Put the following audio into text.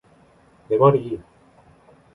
내 말이!